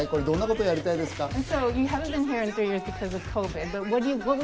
どんなことをやりたいですか？